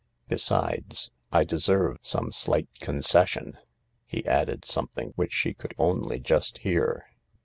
" Besides — I deserve some slight concession." He added something which she could only just hear.